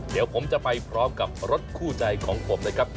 เดี๋ยวผมจะไปพร้อมกับรถคู่ใจของผมนะครับ